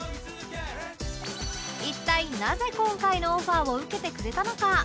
一体なぜ今回のオファーを受けてくれたのか？